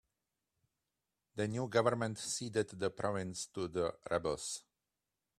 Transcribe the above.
The new government ceded the province to the rebels.